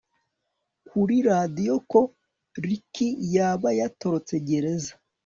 kuri radio ko Ricky yaba yatorotse gereza